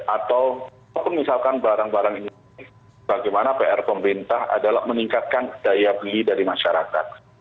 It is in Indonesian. ataupun misalkan barang barang ini bagaimana pr pemerintah adalah meningkatkan daya beli dari masyarakat